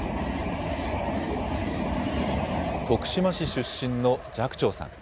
徳島市出身の寂聴さん。